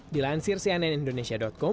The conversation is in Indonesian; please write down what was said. dilansir cnn indonesia com